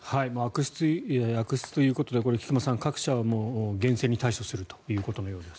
悪質ということでこれは菊間さん各社は厳正に対処するということのようです。